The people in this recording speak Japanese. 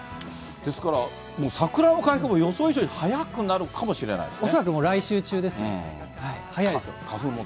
ですから桜の開花も予想以上に早くなるかもしれないですね。